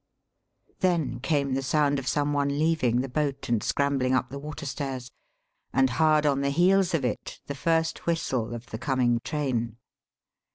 Then came the sound of some one leaving the boat and scrambling up the water stairs, and hard on the heels of it the first whistle of the coming train.